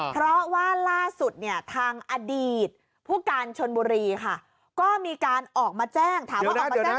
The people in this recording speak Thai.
เพราะว่าล่าสุดเนี่ยทางอดีตผู้การชนบุรีค่ะก็มีการออกมาแจ้งถามว่าออกมาแจ้ง